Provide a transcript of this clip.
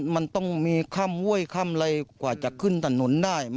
มันต้องมีข้าม่วยข้ามลายคว่าจะขึ้นถนนได้